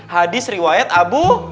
hadis riwayat abu